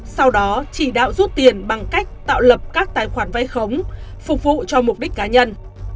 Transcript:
sau đó chỉ đạo rút tiền bằng cách tạo lập các tài khoản vay khống phục vụ cho mục đích cá nhân